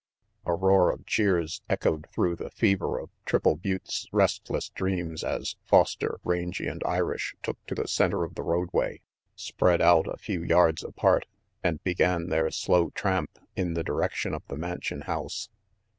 A roar of cheers echoed through the fever <of Triple Butte's restless dreams as Foster, Rangy and Irish took to the center of the roadway, spread RANGY PETE out a few yards apart, and began their slow tramp in the direction of the Mansion House.